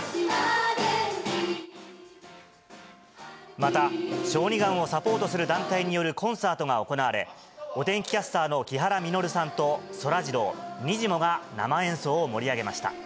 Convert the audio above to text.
また、小児がんをサポートする団体によるコンサートが行われ、お天気キャスターの木原実さんとそらジロー、にじモが生演奏を盛り上げました。